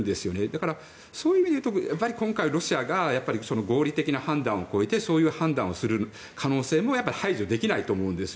だから、そういう意味で言うと今回、ロシアが合理的な判断を超えてそういう判断をする可能性も排除できないと思うんです。